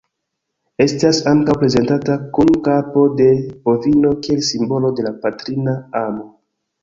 Estas ankaŭ prezentata kun kapo de bovino kiel simbolo de la patrina amo.